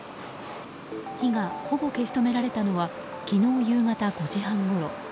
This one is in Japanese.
火がほぼ消し止められたのは昨日夕方５時半ごろ。